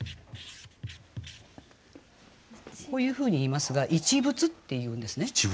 こういうふうにいいますが「一物」っていうんですね。